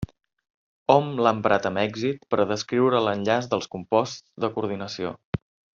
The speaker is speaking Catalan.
Hom l'ha emprat amb èxit per a descriure l'enllaç dels composts de coordinació.